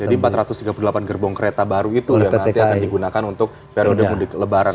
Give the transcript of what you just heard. jadi empat ratus tiga puluh delapan gerbong kereta baru itu yang nanti akan digunakan untuk periode mudik lebaran artinya